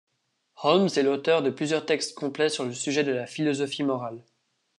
Holmes est l'auteur de plusieurs textes complets sur le sujet de la philosophie morale.